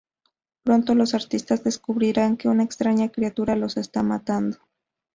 Pronto los artistas descubrirán que una extraña criatura los está matando.